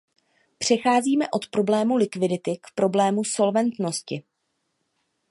Přecházíme od problému likvidity k problému solventnosti.